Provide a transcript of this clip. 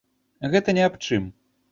Гэта ні аб чым.